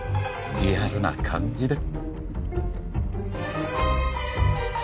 リアルな感じで。